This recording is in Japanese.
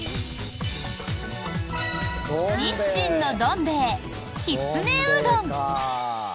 日清のどん兵衛きつねうどん。